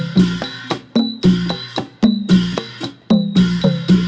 ส์อันไหร่ต่อไปที่แต่เดิม